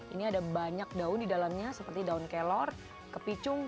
ini ada banyak daun di dalamnya seperti daun kelor kepicung